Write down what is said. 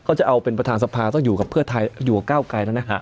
ก็จะเอาเป็นประธานสภาต้องอยู่กับเพื่อไทยอยู่กับก้าวไกลแล้วนะ